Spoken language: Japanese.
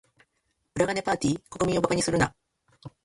裏金パーティ？国民を馬鹿にするな。